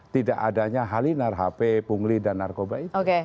tidak adanya halinar hp pungli dan narkoba itu